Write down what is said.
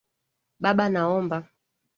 Baba naomba.